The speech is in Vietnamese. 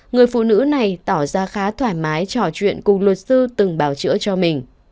người phụ nữ này tỏ ra khá thoải mái trò chuyện cùng luật sư từng bào chữa cho mình